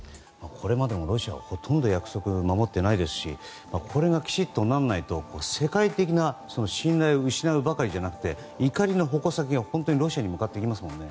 これまでもロシアはほとんど約束守っていないですしこれがきちんとならないと世界的な信頼を失うばかりじゃなくて怒りの矛先が本当にロシアに向かっていきますもんね。